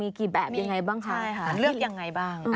อันนี้กระจัดกะจายไปเลยครับยิ้ม